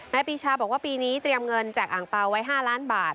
ปีชาบอกว่าปีนี้เตรียมเงินจากอ่างเปล่าไว้๕ล้านบาท